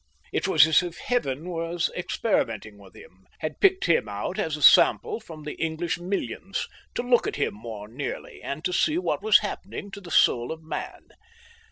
It was as if Heaven was experimenting with him, had picked him out as a sample from the English millions, to look at him more nearly, and to see what was happening to the soul of man.